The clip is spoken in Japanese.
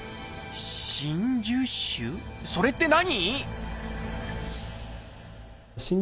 それって何？